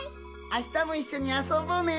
あしたもいっしょにあそぼうね。